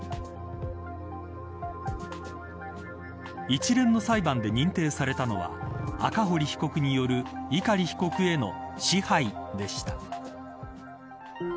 一連の裁判で認定されたのは赤堀被告による碇被告への支配でした。